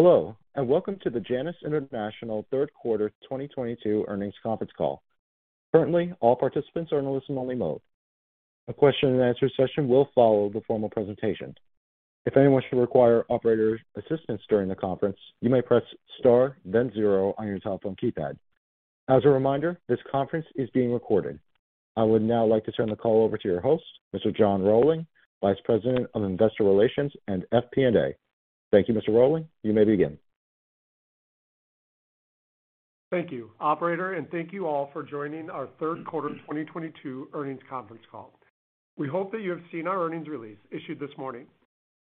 Hello, and welcome to the Janus International third quarter 2022 earnings conference call. Currently, all participants are in listen only mode. A question-and-answer session will follow the formal presentation. If anyone should require operator assistance during the conference, you may press star then zero on your telephone keypad. As a reminder, this conference is being recorded. I would now like to turn the call over to your host, Mr. John Rohlwing, Vice President of Investor Relations and FP&A. Thank you, Mr. Rohlwing. You may begin. Thank you, operator, and thank you all for joining our third quarter 2022 earnings conference call. We hope that you have seen our earnings release issued this morning.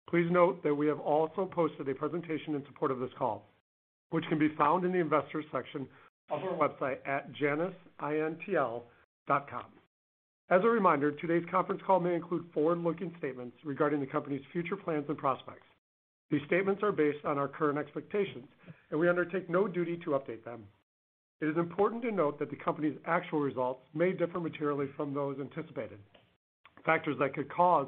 Please note that we have also posted a presentation in support of this call, which can be found in the investors section of our website at janusintl.com. As a reminder, today's conference call may include forward-looking statements regarding the company's future plans and prospects. These statements are based on our current expectations, and we undertake no duty to update them. It is important to note that the company's actual results may differ materially from those anticipated. Factors that could cause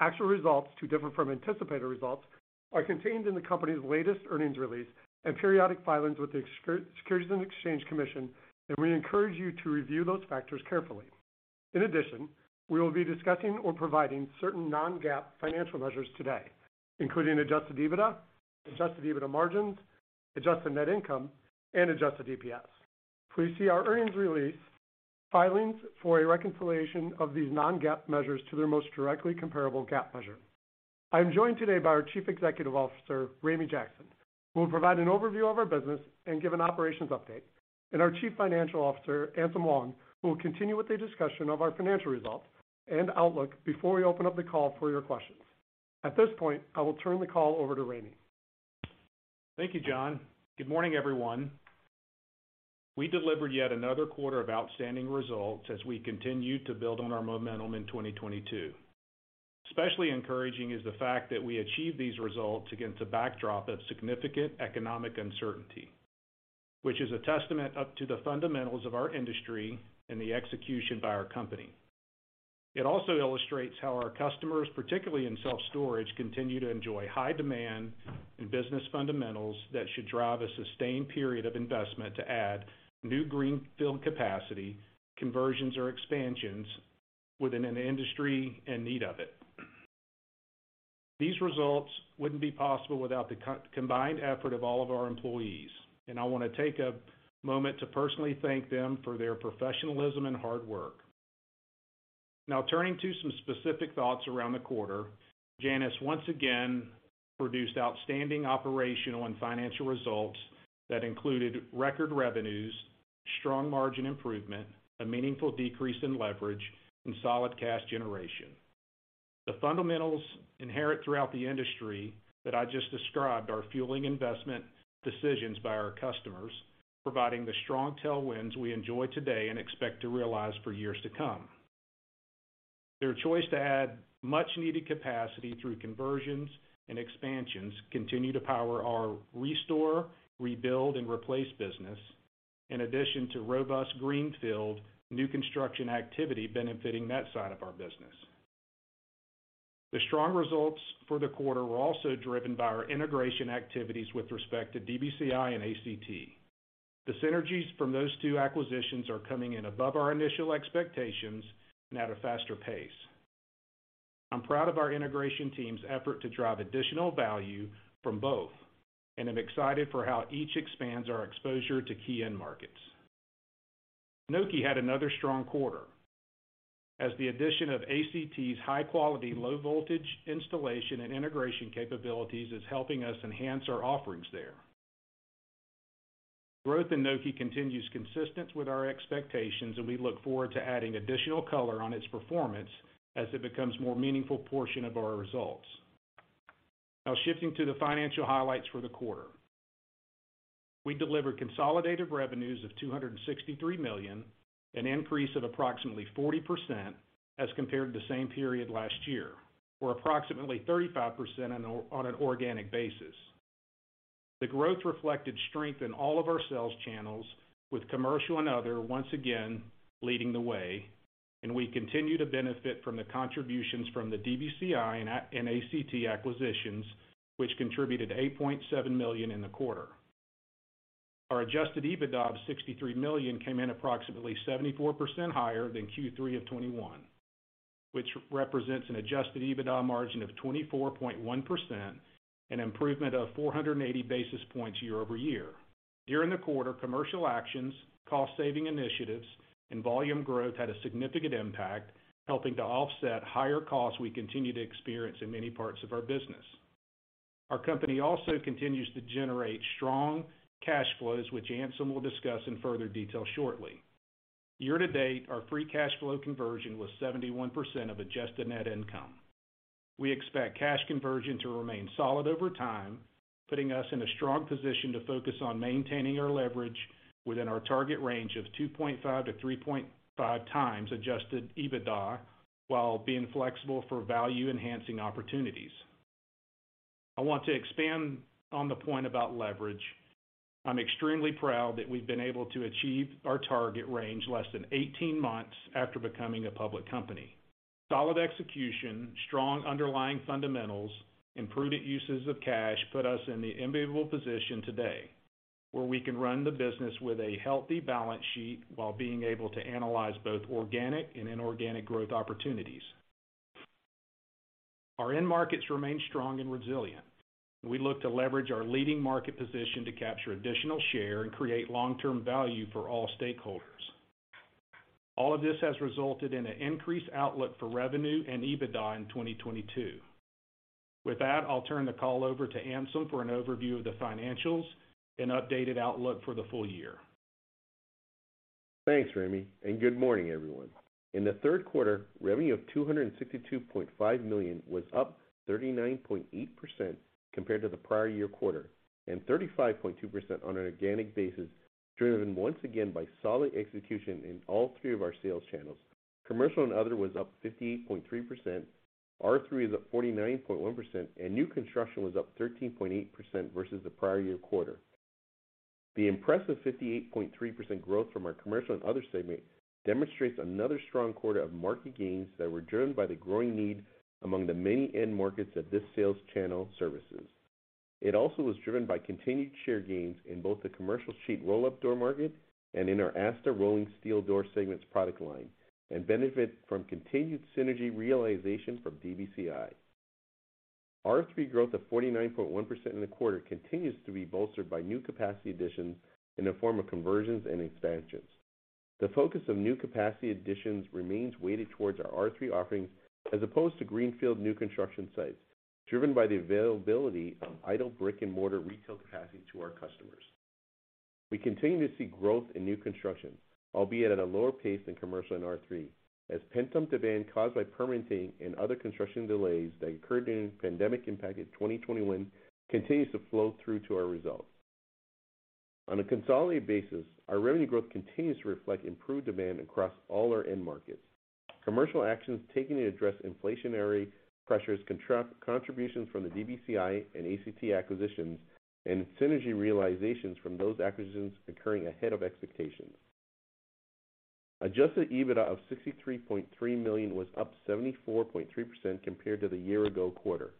actual results to differ from anticipated results are contained in the company's latest earnings release and periodic filings with the Securities and Exchange Commission, and we encourage you to review those factors carefully. In addition, we will be discussing or providing certain non-GAAP financial measures today, including Adjusted EBITDA, Adjusted EBITDA margins, adjusted net income, and Adjusted EPS. Please see our earnings release filings for a reconciliation of these non-GAAP measures to their most directly comparable GAAP measure. I am joined today by our Chief Executive Officer, Ramey Jackson, who will provide an overview of our business and give an operations update, and our Chief Financial Officer, Anselm Wong, who will continue with the discussion of our financial results and outlook before we open up the call for your questions. At this point, I will turn the call over to Ramey. Thank you, John. Good morning, everyone. We delivered yet another quarter of outstanding results as we continued to build on our momentum in 2022. Especially encouraging is the fact that we achieved these results against a backdrop of significant economic uncertainty, which is a testament to the fundamentals of our industry and the execution by our company. It also illustrates how our customers, particularly in self-storage, continue to enjoy high demand and business fundamentals that should drive a sustained period of investment to add new greenfield capacity, conversions, or expansions within an industry in need of it. These results wouldn't be possible without the combined effort of all of our employees, and I wanna take a moment to personally thank them for their professionalism and hard work. Now, turning to some specific thoughts around the quarter. Janus once again produced outstanding operational and financial results that included record revenues, strong margin improvement, a meaningful decrease in leverage, and solid cash generation. The fundamentals inherent throughout the industry that I just described are fueling investment decisions by our customers, providing the strong tailwinds we enjoy today and expect to realize for years to come. Their choice to add much-needed capacity through conversions and expansions continue to power our restore, rebuild, and replace business, in addition to robust greenfield new construction activity benefiting that side of our business. The strong results for the quarter were also driven by our integration activities with respect to DBCI and ACT. The synergies from those two acquisitions are coming in above our initial expectations and at a faster pace. I'm proud of our integration team's effort to drive additional value from both, and I'm excited for how each expands our exposure to key end markets. Nokē had another strong quarter, as the addition of ACT's high-quality low voltage installation and integration capabilities is helping us enhance our offerings there. Growth in Nokē continues consistent with our expectations, and we look forward to adding additional color on its performance as it becomes more meaningful portion of our results. Now shifting to the financial highlights for the quarter. We delivered consolidated revenues of $263 million, an increase of approximately 40% as compared to the same period last year or approximately 35% on an organic basis. The growth reflected strength in all of our sales channels with commercial and other once again leading the way, and we continue to benefit from the contributions from the DBCI and ACT acquisitions, which contributed $8.7 million in the quarter. Our Adjusted EBITDA of $63 million came in approximately 74% higher than Q3 of 2021, which represents an Adjusted EBITDA margin of 24.1%, an improvement of 480 basis points year-over-year. During the quarter, commercial actions, cost saving initiatives, and volume growth had a significant impact, helping to offset higher costs we continue to experience in many parts of our business. Our company also continues to generate strong cash flows, which Anselm will discuss in further detail shortly. Year-to-date, our free cash flow conversion was 71% of adjusted net income. We expect cash conversion to remain solid over time, putting us in a strong position to focus on maintaining our leverage within our target range of 2.5x-3.5x Adjusted EBITDA while being flexible for value-enhancing opportunities. I want to expand on the point about leverage. I'm extremely proud that we've been able to achieve our target range less than 18 months after becoming a public company. Solid execution, strong underlying fundamentals, and prudent uses of cash put us in the enviable position today where we can run the business with a healthy balance sheet while being able to analyze both organic and inorganic growth opportunities. Our end markets remain strong and resilient. We look to leverage our leading market position to capture additional share and create long-term value for all stakeholders. All of this has resulted in an increased outlook for revenue and EBITDA in 2022. With that, I'll turn the call over to Anselm for an overview of the financials and updated outlook for the full year. Thanks, Ramey, and good morning, everyone. In the third quarter, revenue of $262.5 million was up 39.8% compared to the prior year quarter, and 35.2% on an organic basis, driven once again by solid execution in all three of our sales channels. Commercial and other was up 58.3%, R3 is up 49.1%, and new construction was up 13.8% versus the prior year quarter. The impressive 58.3% growth from our commercial and other segment demonstrates another strong quarter of market gains that were driven by the growing need among the many end markets that this sales channel services. It also was driven by continued share gains in both the commercial sheet roll-up door market and in our ASTA rolling steel door segments product line, and benefit from continued synergy realization from DBCI. R3 growth of 49.1% in the quarter continues to be bolstered by new capacity additions in the form of conversions and expansions. The focus of new capacity additions remains weighted towards our R3 offerings as opposed to greenfield new construction sites, driven by the availability of idle brick and mortar retail capacity to our customers. We continue to see growth in new construction, albeit at a lower pace than commercial and R3, as pent-up demand caused by permitting and other construction delays that occurred during pandemic impacted 2021 continues to flow through to our results. On a consolidated basis, our revenue growth continues to reflect improved demand across all our end markets. Commercial actions taken to address inflationary pressures, contributions from the DBCI and ACT acquisitions, and synergy realizations from those acquisitions occurring ahead of expectations. Adjusted EBITDA of $63.3 million was up 74.3% compared to the year ago quarter.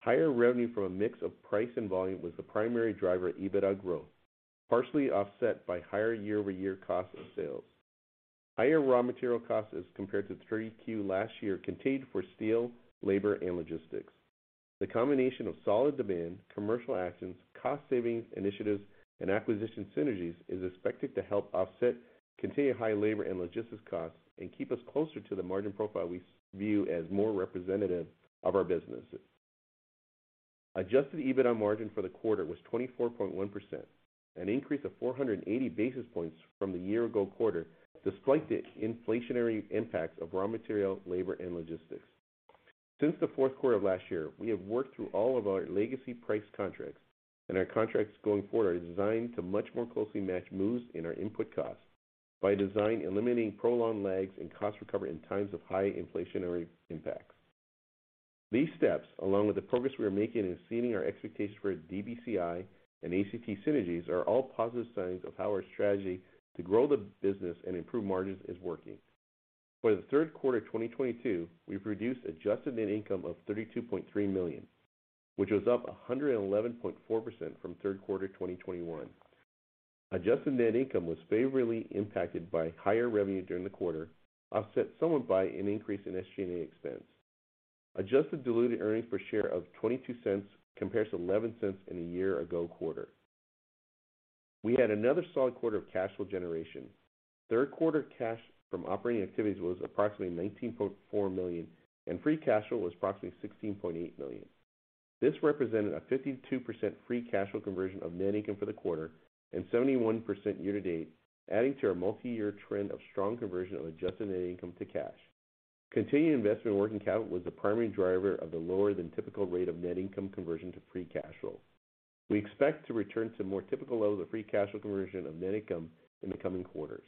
Higher revenue from a mix of price and volume was the primary driver of EBITDA growth, partially offset by higher year-over-year cost of sales. Higher raw material costs as compared to 3Q last year continued for steel, labor, and logistics. The combination of solid demand, commercial actions, cost savings initiatives, and acquisition synergies is expected to help offset continued high labor and logistics costs and keep us closer to the margin profile we view as more representative of our businesses. Adjusted EBITDA margin for the quarter was 24.1%, an increase of 480 basis points from the year ago quarter, despite the inflationary impacts of raw material, labor, and logistics. Since the fourth quarter of last year, we have worked through all of our legacy price contracts, and our contracts going forward are designed to much more closely match moves in our input costs by design, eliminating prolonged lags and cost recovery in times of high inflationary impacts. These steps, along with the progress we are making in exceeding our expectations for DBCI and ACT synergies, are all positive signs of how our strategy to grow the business and improve margins is working. For the third quarter 2022, we produced adjusted net income of $32.3 million, which was up 111.4% from third quarter 2021. Adjusted net income was favorably impacted by higher revenue during the quarter, offset somewhat by an increase in SG&A expense. Adjusted diluted earnings per share of $0.22 compares to $0.11 in a year ago quarter. We had another solid quarter of cash flow generation. Third quarter cash from operating activities was approximately $19.4 million, and free cash flow was approximately $16.8 million. This represented a 52% free cash flow conversion of net income for the quarter and 71% year-to-date, adding to our multiyear trend of strong conversion of adjusted net income to cash. Continued investment in working capital was the primary driver of the lower than typical rate of net income conversion to free cash flow. We expect to return to more typical levels of free cash flow conversion of net income in the coming quarters.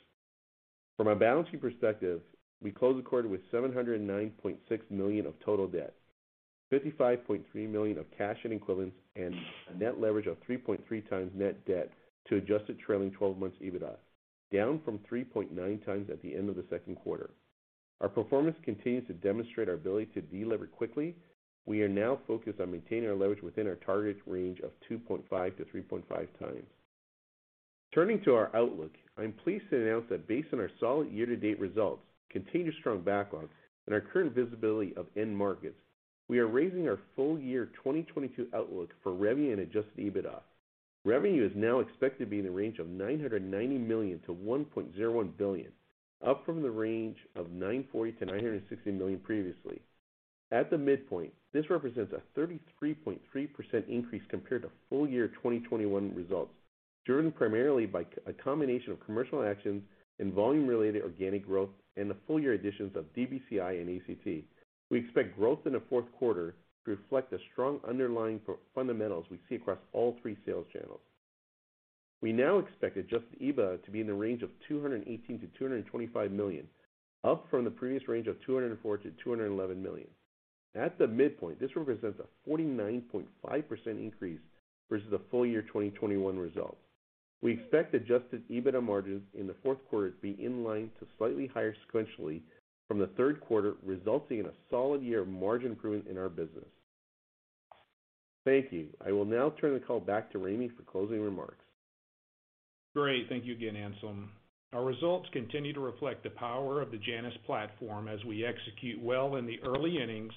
From a balance sheet perspective, we closed the quarter with $709.6 million of total debt, $55.3 million of cash and equivalents, and a net leverage of 3.3x net debt to adjusted trailing twelve months EBITDA, down from 3.9x at the end of the second quarter. Our performance continues to demonstrate our ability to delever quickly. We are now focused on maintaining our leverage within our target range of 2.5x-3.5x. Turning to our outlook, I'm pleased to announce that based on our solid year-to-date results, continued strong backlogs, and our current visibility of end markets, we are raising our full year 2022 outlook for revenue and Adjusted EBITDA. Revenue is now expected to be in the range of $990 million-$1.01 billion, up from the range of $940 million-$960 million previously. At the midpoint, this represents a 33.3% increase compared to full year 2021 results, driven primarily by a combination of commercial actions and volume-related organic growth and the full-year additions of DBCI and ACT. We expect growth in the fourth quarter to reflect the strong underlying fundamentals we see across all three sales channels. We now expect Adjusted EBITDA to be in the range of $218 million-$225 million, up from the previous range of $204 million-$211 million. At the midpoint, this represents a 49.5% increase versus the full year 2021 results. We expect Adjusted EBITDA margins in the fourth quarter to be in line to slightly higher sequentially from the third quarter, resulting in a solid year of margin improvement in our business. Thank you. I will now turn the call back to Ramey for closing remarks. Great. Thank you again, Anselm. Our results continue to reflect the power of the Janus platform as we execute well in the early innings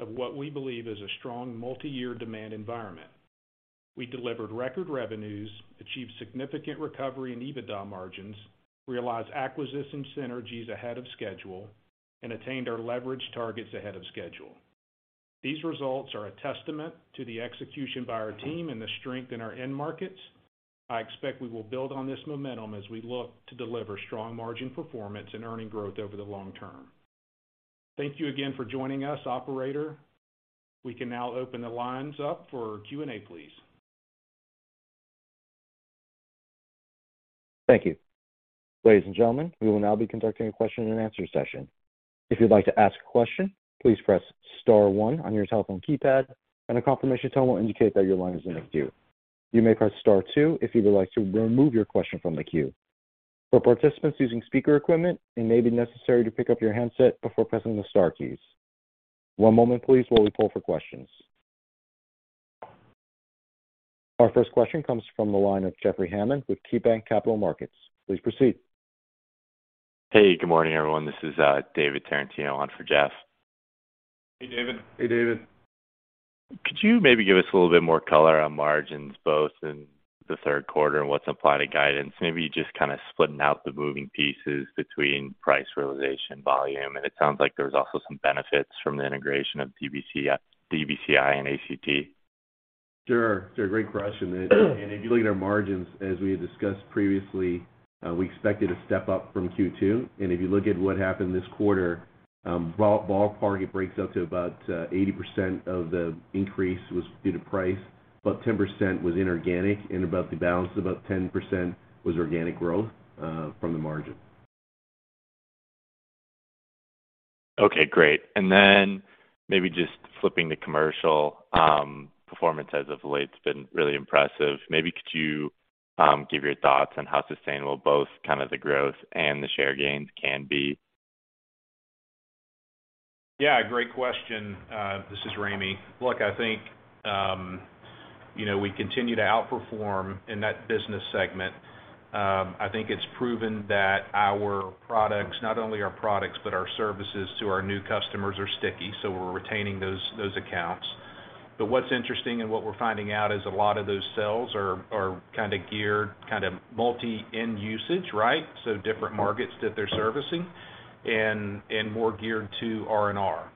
of what we believe is a strong multi-year demand environment. We delivered record revenues, achieved significant recovery in EBITDA margins, realized acquisition synergies ahead of schedule, and attained our leverage targets ahead of schedule. These results are a testament to the execution by our team and the strength in our end markets. I expect we will build on this momentum as we look to deliver strong margin performance and earnings growth over the long term. Thank you again for joining us, operator. We can now open the lines up for Q&A, please. Thank you. Ladies and gentlemen, we will now be conducting a question and answer session. If you'd like to ask a question, please press star one on your telephone keypad, and a confirmation tone will indicate that your line is in the queue. You may press star two if you would like to remove your question from the queue. For participants using speaker equipment, it may be necessary to pick up your handset before pressing the star keys. One moment please while we poll for questions. Our first question comes from the line of Jeffrey Hammond with KeyBanc Capital Markets. Please proceed. Hey, good morning, everyone. This is David Tarantino on for Jeff. Hey, David. Hey, David. Could you maybe give us a little bit more color on margins, both in the third quarter and what's applied to guidance? Maybe just kind of splitting out the moving pieces between price realization, volume. It sounds like there's also some benefits from the integration of DBCI and ACT. Sure. It's a great question. If you look at our margins, as we had discussed previously, we expected a step up from Q2. If you look at what happened this quarter, ballpark, it breaks out to about 80% of the increase was due to price, about 10% was inorganic, and about the balance, about 10% was organic growth from the margin. Okay, great. And then maybe just flipping to commercial performance as of late, it's been really impressive. Maybe could you give your thoughts on how sustainable both kind of the growth and the share gains can be? Yeah, great question. This is Ramey. Look, I think, you know, we continue to outperform in that business segment. I think it's proven that our products, not only our products, but our services to our new customers are sticky, so we're retaining those accounts. What's interesting and what we're finding out is a lot of those sales are kind of geared, kind of multi-end usage, right? Different markets that they're servicing and more geared to R&R.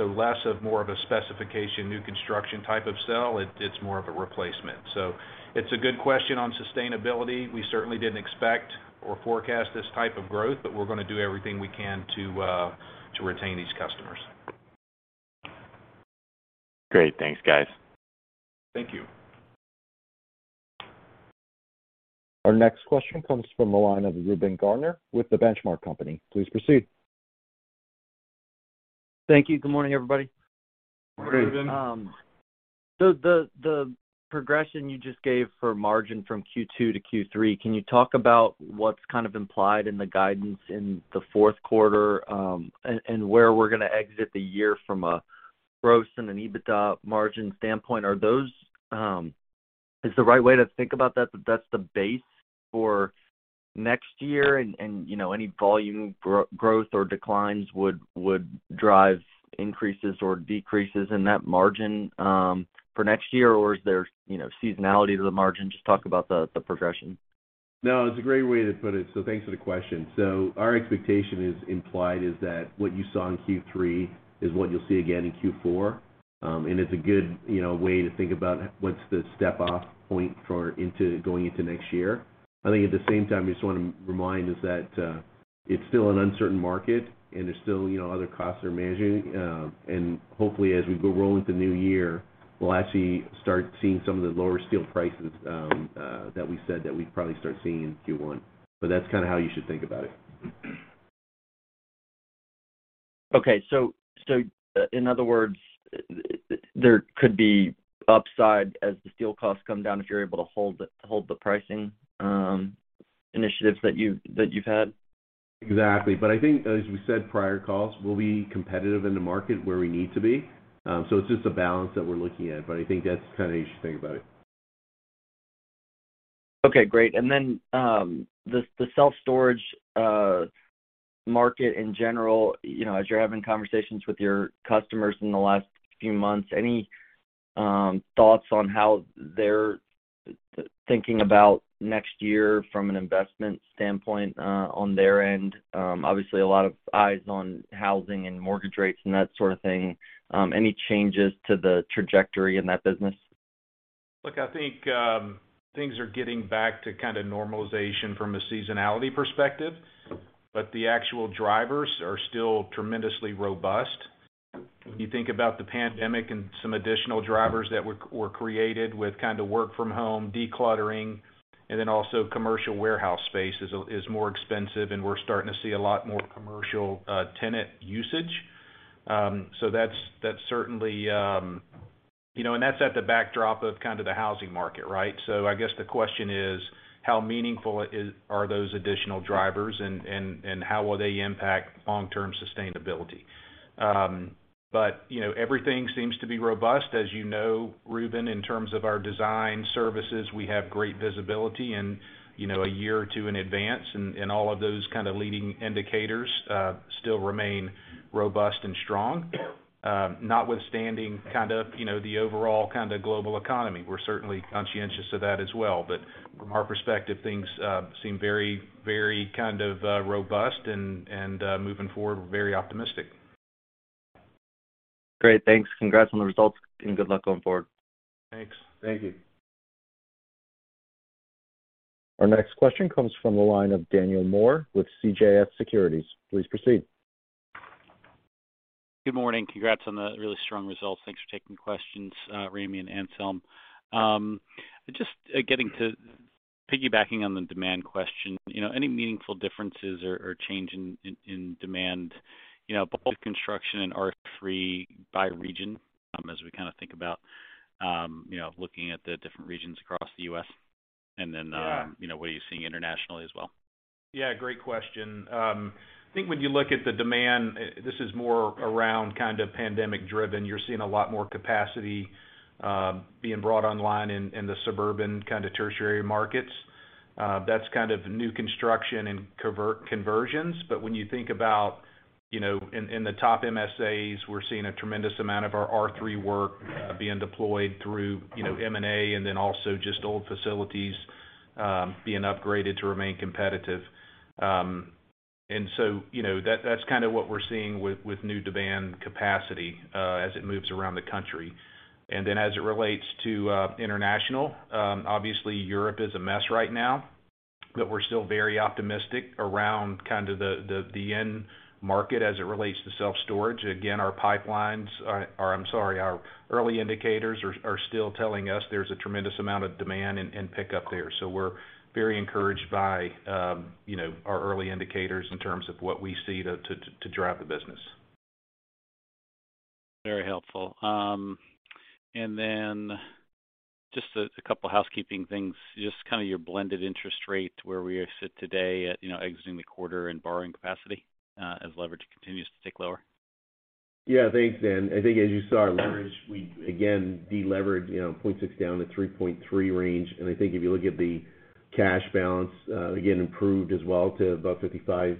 Less so, more of a specification, new construction type of sale. It's more of a replacement. It's a good question on sustainability. We certainly didn't expect or forecast this type of growth, but we're gonna do everything we can to retain these customers. Great. Thanks, guys. Thank you. Our next question comes from the line of Reuben Garner with The Benchmark Company. Please proceed. Thank you. Good morning, everybody. Good morning. Great. The progression you just gave for margin from Q2 to Q3, can you talk about what's kind of implied in the guidance in the fourth quarter, and where we're gonna exit the year from a gross and an EBITDA margin standpoint? Is the right way to think about that's the base for next year and, you know, any volume growth or declines would drive increases or decreases in that margin, for next year? Or is there, you know, seasonality to the margin? Just talk about the progression. No, it's a great way to put it, so thanks for the question. Our expectation is implied that what you saw in Q3 is what you'll see again in Q4. It's a good, you know, way to think about what's the step off point for going into next year. I think at the same time, we just wanna remind that it's still an uncertain market and there's still, you know, other costs we're managing. Hopefully, as we roll into the new year, we'll actually start seeing some of the lower steel prices that we said that we'd probably start seeing in Q1. That's kinda how you should think about it. In other words, there could be upside as the steel costs come down if you're able to hold the pricing initiatives that you've had? Exactly, but I think as we said in prior calls, we'll be competitive in the market where we need to be. It's just a balance that we're looking at, but I think that's kinda how you should think about it. Okay, great. The self-storage market in general, you know, as you're having conversations with your customers in the last few months, any thoughts on how they're thinking about next year from an investment standpoint, on their end? Obviously a lot of eyes on housing and mortgage rates and that sort of thing. Any changes to the trajectory in that business? Look, I think things are getting back to kind of normalization from a seasonality perspective, but the actual drivers are still tremendously robust. You think about the pandemic and some additional drivers that were created with kind of work from home, decluttering, and then also commercial warehouse space is more expensive, and we're starting to see a lot more commercial tenant usage. So that's certainly you know, and that's at the backdrop of kind of the housing market, right? So I guess the question is how meaningful are those additional drivers and how will they impact long-term sustainability? But you know, everything seems to be robust. As you know, Reuben, in terms of our design services, we have great visibility and, you know, a year or two in advance and all of those kind of leading indicators still remain robust and strong, notwithstanding kind of, you know, the overall kind of global economy. We're certainly conscientious of that as well. From our perspective, things seem very, very kind of robust and moving forward, we're very optimistic. Great. Thanks. Congrats on the results and good luck going forward. Thanks. Thank you. Our next question comes from the line of Daniel Moore with CJS Securities. Please proceed. Good morning. Congrats on the really strong results. Thanks for taking questions, Ramey and Anselm. Just getting to piggybacking on the demand question, you know, any meaningful differences or change in demand, you know, both construction and R3 by region, as we kind of think about, you know, looking at the different regions across the U.S., and then. Yeah You know, what are you seeing internationally as well? Yeah, great question. I think when you look at the demand, this is more around kind of pandemic driven. You're seeing a lot more capacity, being brought online in the suburban kind of tertiary markets. That's kind of new construction and conversions, but when you think about, you know, in the top MSAs, we're seeing a tremendous amount of our R3 work, being deployed through, you know, M&A and then also just old facilities, being upgraded to remain competitive. You know, that's kind of what we're seeing with new demand capacity, as it moves around the country. As it relates to international, obviously Europe is a mess right now, but we're still very optimistic around kind of the end market as it relates to self-storage. Again, our pipelines are. I'm sorry, our early indicators are still telling us there's a tremendous amount of demand and pickup there. We're very encouraged by, you know, our early indicators in terms of what we see to drive the business. Very helpful and then just a couple housekeeping things. Just kind of your blended interest rate, where we sit today at, you know, exiting the quarter and borrowing capacity, as leverage continues to tick lower. Yeah. Thanks, Dan. I think as you saw our leverage, we again deleveraged, you know, 0.6 down to 3.3 range. I think if you look at the cash balance, again improved as well to about $55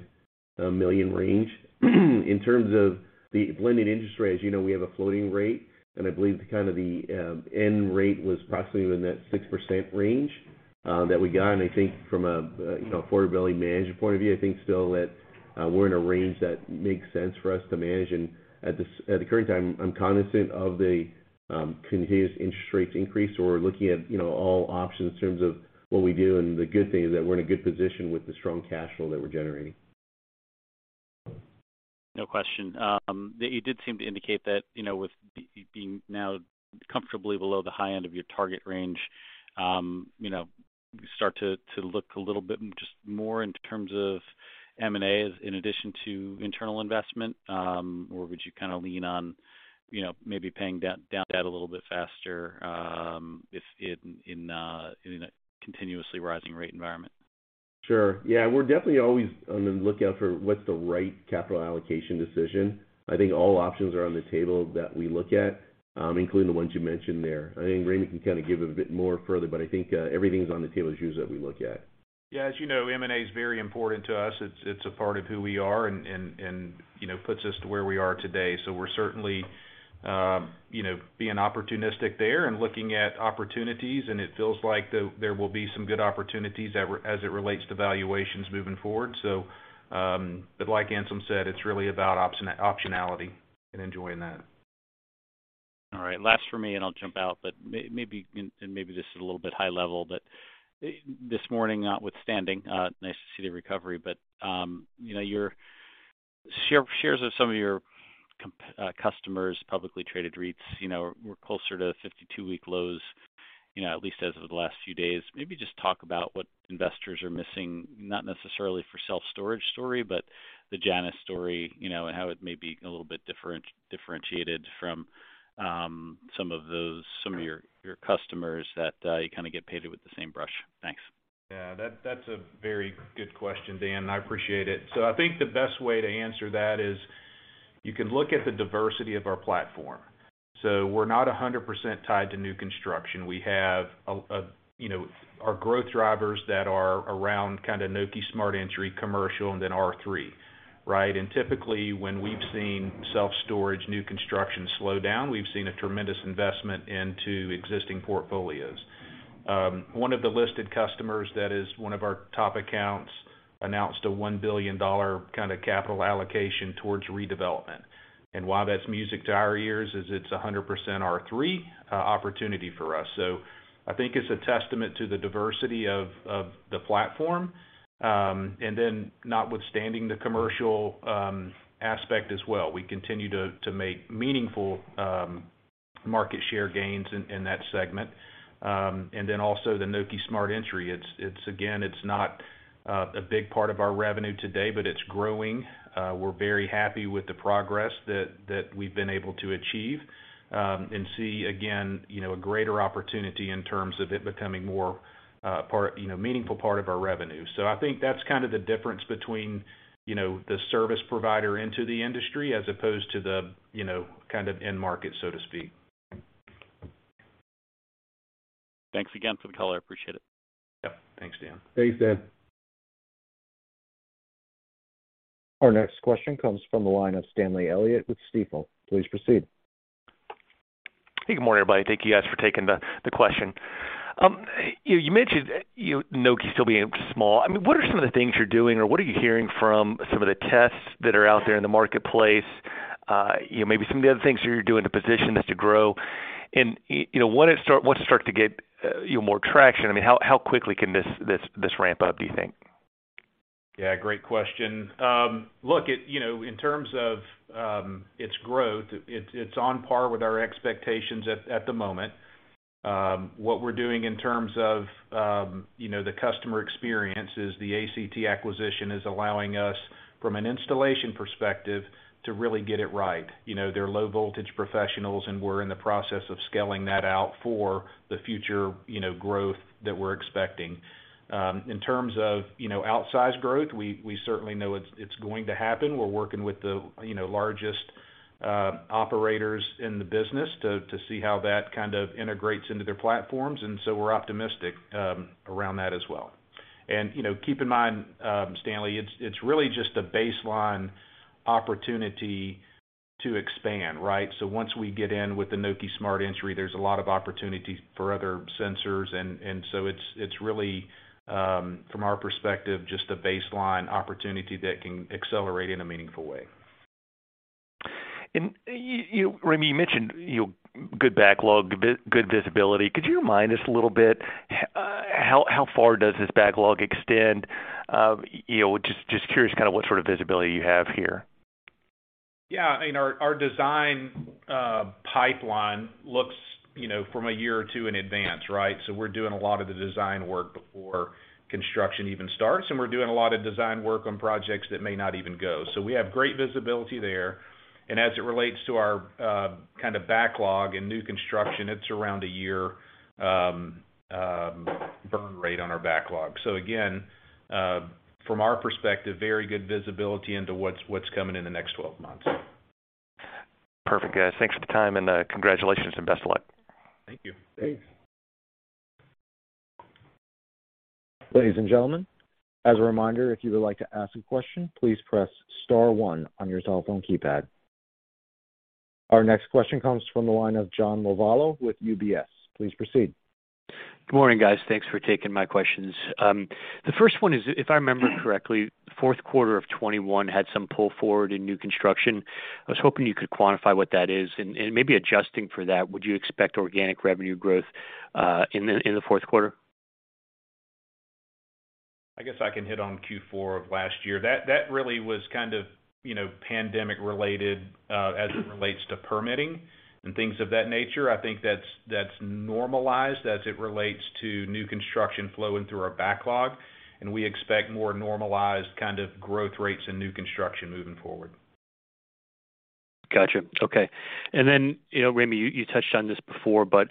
million range. In terms of the blended interest rate, as you know, we have a floating rate, and I believe kind of the end rate was approximately within that 6% range that we got. I think from you know, affordability management point of view, I think still that we're in a range that makes sense for us to manage. At the current time, I'm cognizant of the continuous interest rates increase, so we're looking at you know, all options in terms of what we do. The good thing is that we're in a good position with the strong cash flow that we're generating. No question. You did seem to indicate that, you know, with being now comfortably below the high end of your target range, you know, you start to look a little bit just more in terms of M&A as in addition to internal investment, or would you kind of lean on, you know, maybe paying down debt a little bit faster, if in a continuously rising rate environment? Sure. Yeah. We're definitely always on the lookout for what's the right capital allocation decision. I think all options are on the table that we look at, including the ones you mentioned there. I think Ramey can kind of give a bit more further, but I think, everything's on the table as areas that we look at. Yeah. As you know, M&A is very important to us. It's a part of who we are and, you know, puts us to where we are today. We're certainly, you know, being opportunistic there and looking at opportunities, and it feels like there will be some good opportunities as it relates to valuations moving forward. But like Anselm said, it's really about optionality and enjoying that. All right. Last for me, and I'll jump out, but maybe, and maybe this is a little bit high level, but this morning, notwithstanding, nice to see the recovery, but, you know, your shares of some of your customers, publicly traded REITs, you know, were closer to 52-week lows, you know, at least as of the last few days. Maybe just talk about what investors are missing, not necessarily for self-storage story, but the Janus story, you know, and how it may be a little bit differentiated from, some of those, some of your customers that, you kind of get painted with the same brush. Thanks. That's a very good question, Dan. I appreciate it. I think the best way to answer that is you can look at the diversity of our platform. We're not 100% tied to new construction. We have you know, our growth drivers that are around Nokē Smart Entry commercial and then R3, right? Typically, when we've seen self-storage new construction slow down, we've seen a tremendous investment into existing portfolios. One of the listed customers that is one of our top accounts announced a $1 billion kind of capital allocation towards redevelopment. While that's music to our ears, it's 100% R3 opportunity for us. I think it's a testament to the diversity of the platform and then notwithstanding the commercial aspect as well. We continue to make meaningful market share gains in that segment. Then also the Nokē Smart Entry. It's, again, not a big part of our revenue today, but it's growing. We're very happy with the progress that we've been able to achieve and see, again, you know, a greater opportunity in terms of it becoming more part, you know, meaningful part of our revenue. I think that's kind of the difference between, you know, the service provider into the industry as opposed to the, you know, kind of end market, so to speak. Thanks again for the color. I appreciate it. Yeah. Thanks, Dan. Thanks, Dan. Our next question comes from the line of Stanley Elliott with Stifel. Please proceed. Hey, good morning, everybody. Thank you guys for taking the question. You mentioned Nokē still being small. I mean, what are some of the things you're doing or what are you hearing from some of the tests that are out there in the marketplace? You know, maybe some of the other things you're doing to position this to grow. You know, once it start to get, you know, more traction, I mean, how quickly can this ramp up, do you think? Yeah, great question. Look, you know, in terms of its growth, it's on par with our expectations at the moment. What we're doing in terms of, you know, the customer experience is the ACT acquisition is allowing us, from an installation perspective, to really get it right. You know, they're low voltage professionals, and we're in the process of scaling that out for the future, you know, growth that we're expecting. In terms of, you know, outsized growth, we certainly know it's going to happen. We're working with the, you know, largest operators in the business to see how that kind of integrates into their platforms, and so we're optimistic around that as well. You know, keep in mind, Stanley, it's really just a baseline opportunity to expand, right? Once we get in with the Nokē Smart Entry, there's a lot of opportunity for other sensors. It's really, from our perspective, just a baseline opportunity that can accelerate in a meaningful way. You, Ramey, you mentioned, you know, good backlog, good visibility. Could you remind us a little bit, how far does this backlog extend? You know, just curious kinda what sort of visibility you have here. Yeah. I mean, our design pipeline looks, you know, from a year or two in advance, right? We're doing a lot of the design work before construction even starts, and we're doing a lot of design work on projects that may not even go. We have great visibility there. As it relates to our kinda backlog in new construction, it's around a year burn rate on our backlog. Again, from our perspective, very good visibility into what's coming in the next 12 months. Perfect. Thanks for the time and congratulations and best luck. Thank you. Thanks. Ladies and gentlemen, as a reminder, if you would like to ask a question, please press star one on your cell phone keypad. Our next question comes from the line of John Lovallo with UBS. Please proceed. Good morning, guys. Thanks for taking my questions. The first one is, if I remember correctly, fourth quarter of 2021 had some pull forward in new construction. I was hoping you could quantify what that is an maybe adjusting for that, would you expect organic revenue growth in the fourth quarter? I guess I can hit on Q4 of last year. That really was kind of, you know, pandemic-related, as it relates to permitting and things of that nature. I think that's normalized as it relates to new construction flowing through our backlog, and we expect more normalized kind of growth rates in new construction moving forward. Gotcha. Okay. You know, Ramey, you touched on this before, but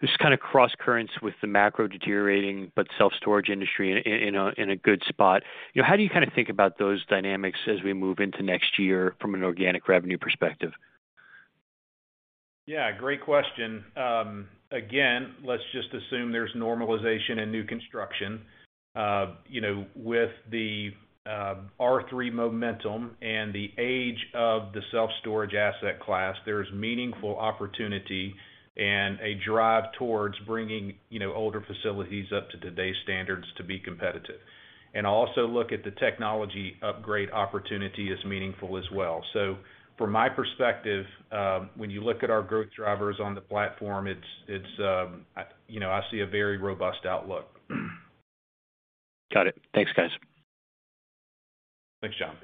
there's kind of cross-currents with the macro deteriorating, but self-storage industry in a good spot. You know, how do you kinda think about those dynamics as we move into next year from an organic revenue perspective? Yeah, great question. Again, let's just assume there's normalization in new construction. You know, with the R3 momentum and the age of the self-storage asset class, there is meaningful opportunity and a drive towards bringing, you know, older facilities up to today's standards to be competitive. Also look at the technology upgrade opportunity as meaningful as well. From my perspective, when you look at our growth drivers on the platform, it's, you know, I see a very robust outlook. Got it. Thanks, guys. Thanks, John.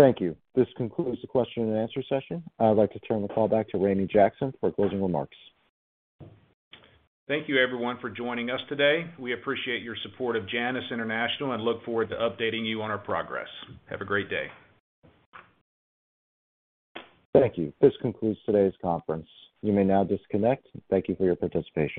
Great. Thank you. This concludes the question and answer session. I'd like to turn the call back to Ramey Jackson for closing remarks. Thank you everyone for joining us today. We appreciate your support of Janus International and look forward to updating you on our progress. Have a great day. Thank you. This concludes today's conference. You may now disconnect. Thank you for your participation.